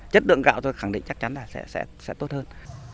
chất lượng gạo tôi khẳng định chắc chắn là sẽ tốt hơn